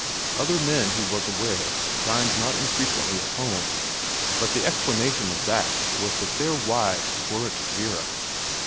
Other men, he was aware, dined not infrequently at home, but the explanation of that was that their wives weren't Vera.